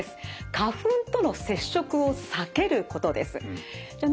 花粉との接触を避けることです。